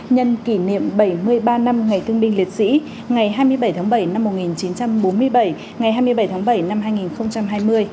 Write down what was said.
nhân kỷ niệm bảy mươi ba năm ngày thương binh liệt sĩ ngày hai mươi bảy tháng bảy năm một nghìn chín trăm bốn mươi bảy ngày hai mươi bảy tháng bảy năm hai nghìn hai mươi